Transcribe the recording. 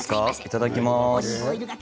いただきます。